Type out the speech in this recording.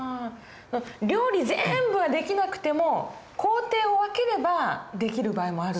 料理全部はできなくても工程を分ければできる場合もある。